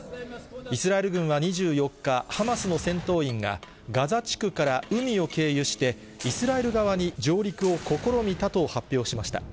イスラエル軍は２４日、ハマスの戦闘員がガザ地区から海を経由して、イスラエル側に上陸を試みたと発表しました。